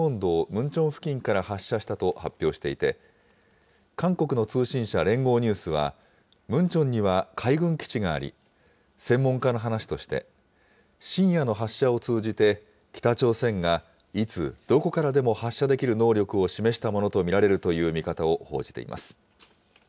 ムンチョン付近から発射したと発表していて、韓国の通信社、連合ニュースはムンチョンには海軍基地があり、専門家の話として、深夜の発射を通じて北朝鮮がいつ、どこからでも発射できる能力を示したものと見られるという見方を報じています。